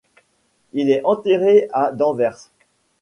Il est enterré à d'Anvers.